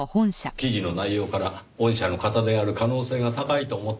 記事の内容から御社の方である可能性が高いと思ったのですが。